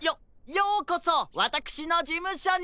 ようこそわたくしのじむしょに！